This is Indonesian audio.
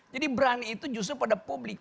berani itu justru pada publik